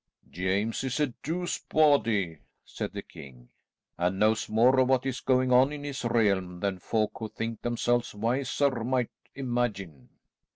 "James is a douce body," said the king, "and knows more of what is going on in his realm than folk who think themselves wiser might imagine."